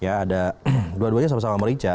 ada dua duanya sama sama merica